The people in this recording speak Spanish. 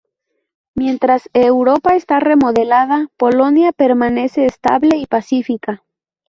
Mientras Europa está remodelada, Polonia permanece estable y pacífica.